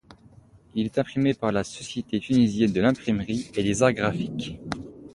Il est imprimé par la Société tunisienne de l'imprimerie et des arts graphiques.